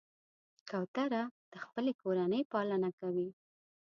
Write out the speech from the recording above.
کوتره د خپلې کورنۍ پالنه کوي.